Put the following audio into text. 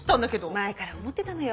前から思ってたのよ。